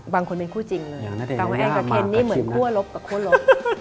บางคนเป็นคู่จริงเลยแต่ว่าแองกับเคนนี่เหมือนคั่วลบกับคั่วลบ